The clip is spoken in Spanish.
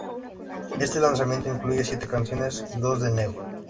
Este lanzamiento incluye siete canciones: dos de "Neu!